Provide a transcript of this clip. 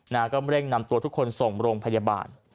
ก็เร่งนำตัวทุกคนส่งโรงพยาบาล